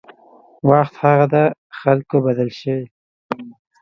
وخت هغه ده خلک بدل شوي